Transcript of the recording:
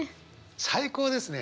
最高ですね。